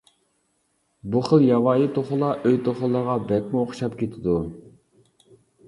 بۇ خىل ياۋايى توخۇلار ئۆي توخۇلىرىغا بەكمۇ ئوخشاپ كېتىدۇ.